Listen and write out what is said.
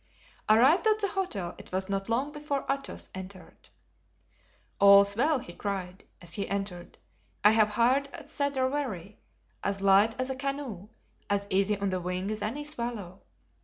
Arrived at the hotel it was not long before Athos entered. "All's well," he cried, as he entered; "I have hired a cedar wherry, as light as a canoe, as easy on the wing as any swallow.